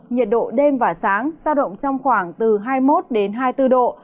nhiệt độ đêm và sáng ra động trong khoảng từ hai mươi một hai mươi bốn độ